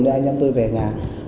anh em tôi về nhà